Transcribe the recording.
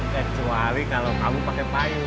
kecuali kalau kamu pakai payung